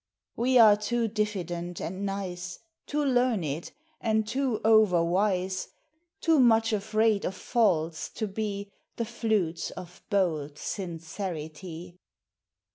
We are too diffident and nice, Too learned and too over wise, Too much afraid of faults to be The flutes of bold sincerity.